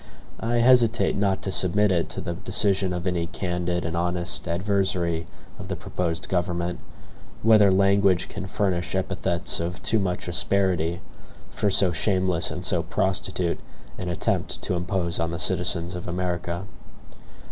I hesitate not to submit it to the decision of any candid and honest adversary of the proposed government, whether language can furnish epithets of too much asperity, for so shameless and so prostitute an attempt to impose on the citizens of America.